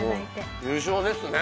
優勝ですね！